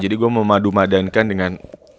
jadi gue mau madu madankan dengan